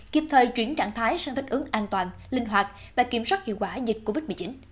kịp thời chuyển trạng thái sang thích ứng an toàn linh hoạt và kiểm soát hiệu quả dịch covid một mươi chín